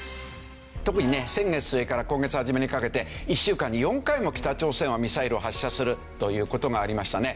特にね先月末から今月初めにかけて１週間に４回も北朝鮮はミサイルを発射するという事がありましたね。